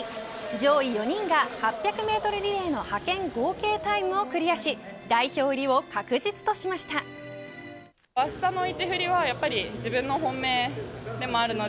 上位４人が８００メートルリレーの派遣合計タイムをクリアし代表入りを確実としました体重